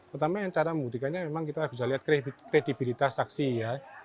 pertama yang cara membuktikannya memang kita bisa lihat kredibilitas saksi ya